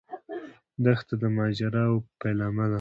دښته د ماجراوو پیلامه ده.